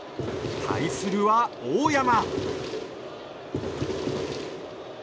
対するは大山。